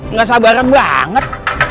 nggak sabaran banget